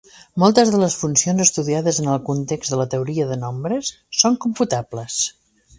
Moltes de les funcions estudiades en el context de la teoria de nombres són computables.